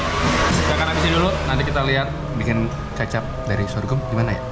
kita akan habisin dulu nanti kita lihat bikin kecap dari sorghum gimana ya